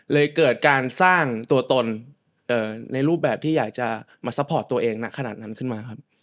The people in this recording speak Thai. เกิดการสร้างตัวตนในรูปแบบที่อยากจะมาซัพพอร์ตตัวเองณขนาดนั้นขึ้นมาครับ